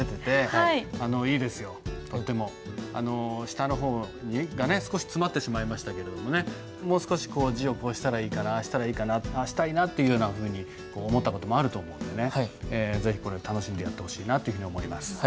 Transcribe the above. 下の方がね少し詰まってしまいましたけれどももう少し字をこうしたらいいかなああしたらいいかなああしたいなというようなふうに思った事もあると思うんでね是非これを楽しんでやってほしいなというふうに思います。